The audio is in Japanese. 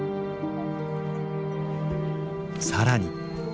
更に。